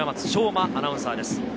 馬アナウンサーです。